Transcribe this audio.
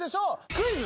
クイズ！